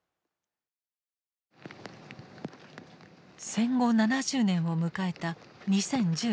戦後７０年を迎えた２０１５年。